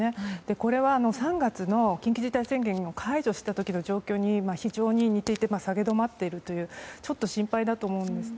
これは、３月の緊急事態宣言を解除した時の状況に非常に似ていて下げ止まっているというちょっと心配だと思うんです。